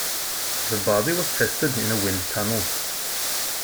The body was tested in a wind tunnel.